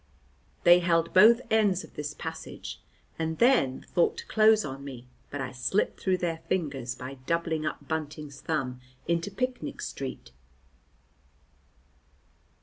They held both ends of this passage, and then thought to close on me, but I slipped through their fingers by doubling up Bunting's Thumb into Picnic Street.